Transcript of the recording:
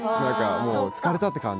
疲れたって感じ。